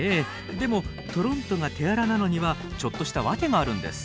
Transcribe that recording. でもトロントが手荒なのにはちょっとしたワケがあるんです。